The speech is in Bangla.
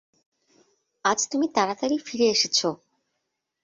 আজ তুমি তাড়াতাড়ি ফিরে এসেছো!